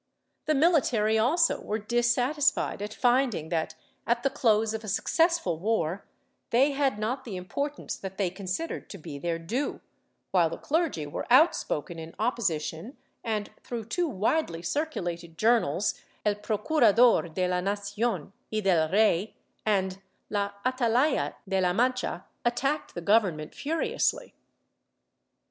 The military also were dissatisfied at finding that, at the close of a successful war, they had not the importance that they considered to be their due, while the clergy were outspoken in opposition and, through two widely circulated journals, "El Procurador de la Nacion y del Rey" and ''La Atalaya de la Man cha," attacked the Government furiously.